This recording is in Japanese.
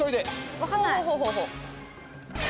分かんない。